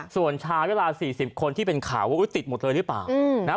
ส่วนชายเวลา๔๐คนที่เป็นข่าวว่าติดหมดเลยหรือเปล่านะ